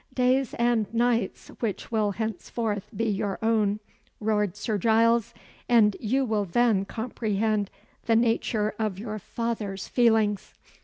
"Days and nights which will henceforth be your own," roared Sir Giles; "and you will then comprehend the nature of your father's feelings.